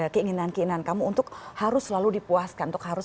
keinginan keinginan kamu untuk harus selalu dipuaskan untuk harus